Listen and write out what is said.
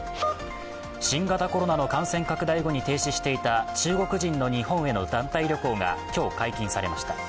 新型コロナの感染拡大後に停止していた中国人の日本への団体旅行が今日、解禁されました。